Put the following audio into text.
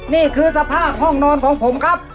นี่คือสภาพห้องนอนของผมครับ